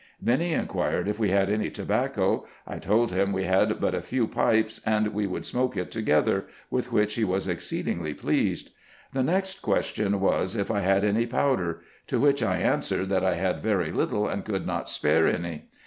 Then he inquired if we had any tobacco. I told him we had but a few pipes, and we would smoke it together ; with which he was exceedingly pleased. The next question was, if I had any powder. To which I answered, that I had very little, and could not spare any.